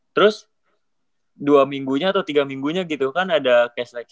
terus dua minggunya atau tiga minggunya gitu kan ada cashlex